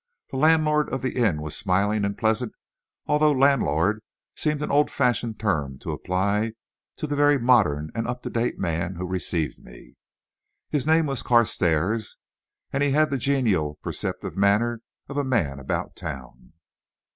The landlord of the inn was smiling and pleasant, although landlord seems an old fashioned term to apply to the very modern and up to date man who received me. His name was Carstairs, and he had the genial, perceptive manner of a man about town.